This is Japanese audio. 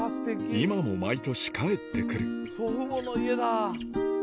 今も毎年帰ってくる祖父母の家だ！